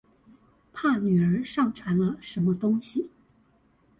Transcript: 怕女兒上傳了什麼東西